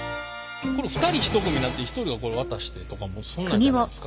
２人１組になって１人がこれ渡してとかそんなんじゃないんですか？